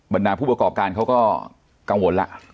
บรรดาผู้ประกอบการเขาก็กังวลล่ะ